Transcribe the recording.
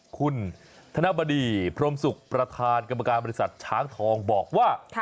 คุณธนบดีพรมศุกร์ประธานกรรมการบริษัทช้างทองบอกว่า